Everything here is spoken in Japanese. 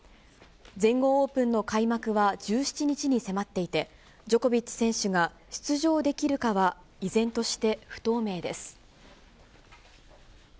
全豪オープンの開幕は１７日に迫っていて、ジョコビッチ選手が出場できるかは依然として不透明です。